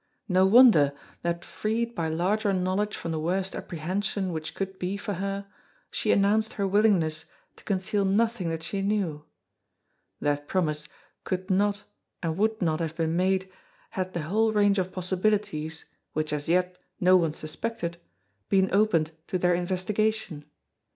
No wonder that freed by larger knowledge from the worst apprehension which could be for her, she announced her willingness to conceal nothing that she knew. That promise could not and would not have been made had the whole range of possibilities, which as yet no one suspected, been opened to their investigation.